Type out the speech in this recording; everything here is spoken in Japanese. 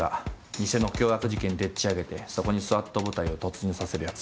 偽の凶悪事件でっちあげてそこにＳＷＡＴ部隊を突入させるやつ。